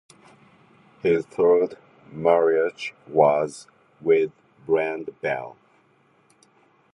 His third marriage was with Brenda Bell.